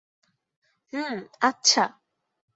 হুম, আচ্ছা।